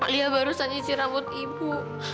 lia baru sanji rambut ibu